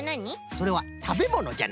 それはたべものじゃな？